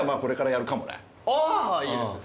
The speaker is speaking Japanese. あいいですね